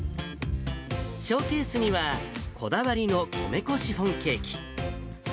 ショーケースには、こだわりの米粉シフォンケーキ。